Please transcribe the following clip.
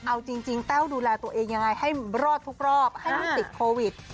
เอาจริงแต้วดูแลตัวเองยังไงให้รอดทุกรอบให้ลูกติดโควิด